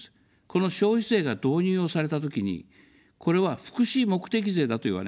この消費税が導入をされたときに、これは福祉目的税だと言われました。